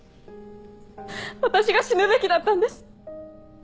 私が死ぬべきだったんです！